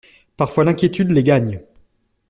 Parfois l’inquiétude les gagne.